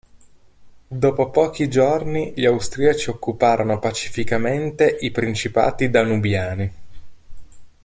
Dopo pochi giorni gli austriaci occuparono pacificamente i principati danubiani.